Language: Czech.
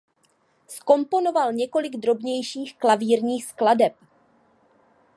Zkomponoval několik drobnějších klavírních skladeb.